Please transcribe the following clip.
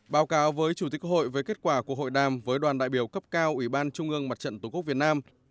báo cáo với chủ tịch quốc hội về kết quả của hội đàm với đoàn đại biểu cấp cao ủy ban trung ương mặt trận tổ quốc việt nam